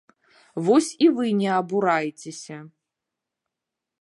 Вось і вы не абурайцеся.